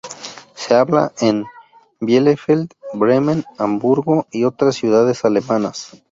Se habla en Bielefeld, Bremen, Hamburgo y otras ciudades alemanas.